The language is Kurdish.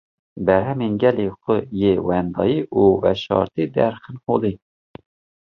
berhemên gelê xwe yê wendayî û veşartî derxin holê.